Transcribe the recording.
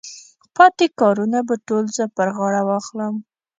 پاتې کارونه به ټول زه پر غاړه واخلم.